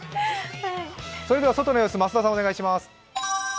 それでは外の様子、増田さんお願いします。